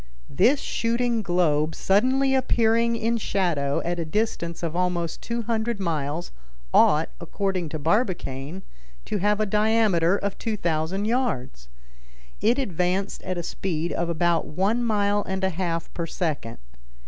This shooting globe suddenly appearing in shadow at a distance of at most 200 miles, ought, according to Barbicane, to have a diameter of 2,000 yards. It advanced at a speed of about one mile and a half per second.